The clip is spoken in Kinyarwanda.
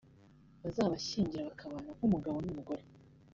bazabashyingira bakabana nk’umugabo n’umugore